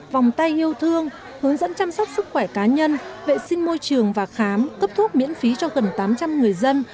vòng tay yêu thương hướng dẫn chăm sóc sức khỏe cá nhân vệ sinh môi trường và khám cấp thuốc miễn phí cho gần tám trăm linh người dân